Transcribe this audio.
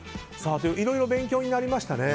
いろいろ勉強になりましたね。